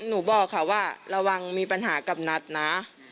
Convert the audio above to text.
หนูบอกค่ะว่าระวังมีปัญหากับนัทนะ